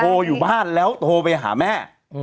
อยู่บ้านแล้วโทรไปหาแม่